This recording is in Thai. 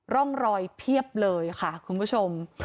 ร่องรอยเพียบเลยค่ะคุณผู้ชม